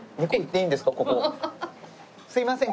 すいません